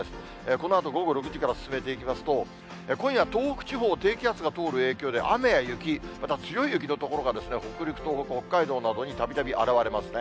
このあと午後６時から進めていきますと、今夜、東北地方、低気圧が通る影響で、雨や雪、また強い雪の所が北陸、東北、北海道などにたびたび現れますね。